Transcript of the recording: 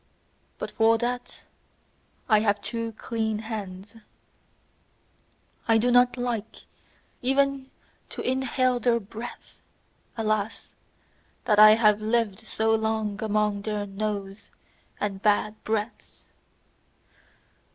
But for that I have too clean hands. I do not like even to inhale their breath; alas! that I have lived so long among their noise and bad breaths!